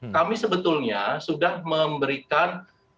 kami sebetulnya sudah memberikan